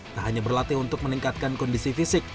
tak hanya berlatih untuk meningkatkan kondisi fisik